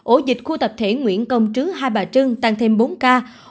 ổ dịch khu tập thể nguyễn công trứ hai bà trưng tăng thêm bốn ca